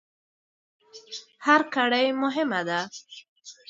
هر کړۍ مهمه ده.